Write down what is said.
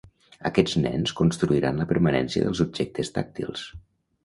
Aquests nens construiran la permanència dels objectes tàctils.